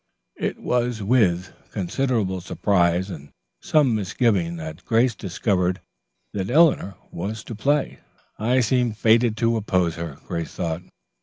It was with considerable surprise and some misgiving that Grace discovered that Eleanor was to play. "I seem fated to oppose her," Grace thought.